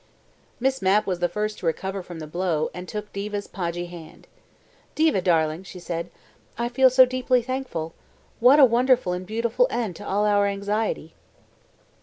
Miss Mapp was the first to recover from the blow, and took Diva's podgy hand. "Diva, darling," she said, "I feel so deeply thankful. What a wonderful and beautiful end to all our anxiety!"